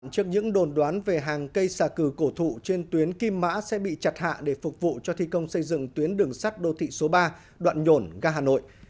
trước những đồn đoán về hàng cây xà cừ cổ thụ trên tuyến kim mã sẽ bị chặt hạ để phục vụ cho thi công xây dựng tuyến đường sắt đô thị số ba đoạn nhổn ga hà nội